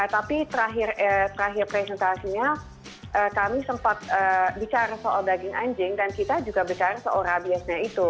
tapi terakhir presentasinya kami sempat bicara soal daging anjing dan kita juga bicara soal rabiesnya itu